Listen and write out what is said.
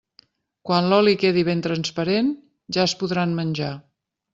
Quan l'oli quedi ben transparent, ja es podran menjar.